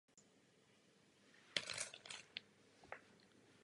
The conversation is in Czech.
Věnuje se též skoku do dálky.